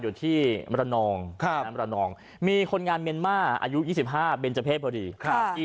อยู่ที่มรนองมีคนงานเมรม่าอายุ๒๕เบนเจอร์เพศพอดี